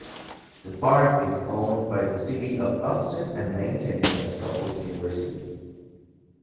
The park is owned by the City of Boston and maintained by Suffolk University.